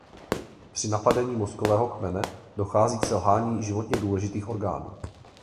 Při napadení mozkového kmene dochází k selhání životně důležitých orgánů.